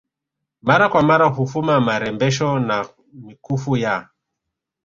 mara kwa mara hufuma marembesho na mikufu ya